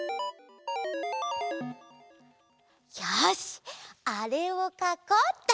よしあれをかこうっと！